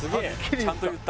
ちゃんと言った。